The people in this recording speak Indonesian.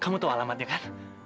kamu tahu alamatnya kan